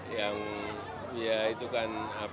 menjadi tiga hari dibunuh di negara